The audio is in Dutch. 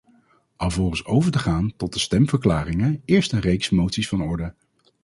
Alvorens over te gaan tot de stemverklaringen, eerst een reeks moties van orde.